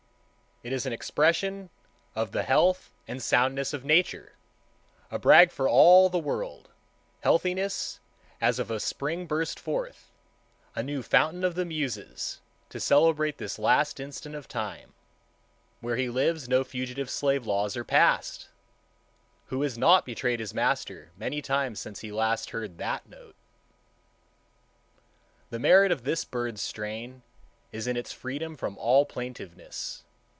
It is an expression of the health and soundness of Nature, a brag for all the world,—healthiness as of a spring burst forth, a new fountain of the Muses, to celebrate this last instant of time. Where he lives no fugitive slave laws are passed. Who has not betrayed his master many times since last he heard that note? The merit of this bird's strain is in its freedom from all plaintiveness.